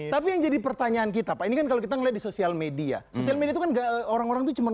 tapi yang jadi pertanyaan kita kalau kita melihat di sosial media sosial media orang orang cuman